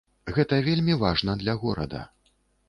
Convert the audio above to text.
Гэта вельмі важна для горада.